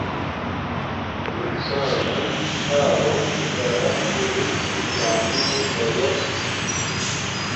انسان نن چھارونگ کارٹ ارین تعلیم مݵݵ زریعس